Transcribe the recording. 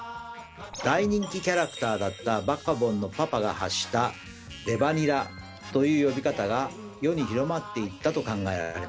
大人気キャラクターだったバカボンのパパが発した「レバニラ」という呼び方が世に広まっていったと考えられます。